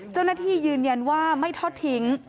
เจ้าหน้าที่ยืนยันว่าไม่ทอดทิ้ง